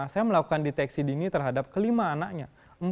saya melakukan deteksi dini terhadap kelima anaknya